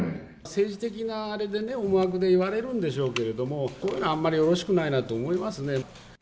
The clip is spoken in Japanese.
政治的なあれでね、思惑で言われるんでしょうけど、こういうのあんまりよろしくないなと思いますね。